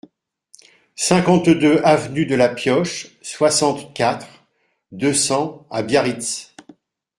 cinquante-deux avenue de la Pioche, soixante-quatre, deux cents à Biarritz